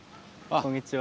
こんにちは。